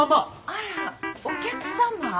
あらお客様？